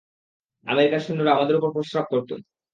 American সৈন্যরা আমাদের উপর প্রস্রাব করত।